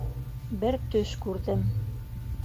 - Бер төш күрҙем.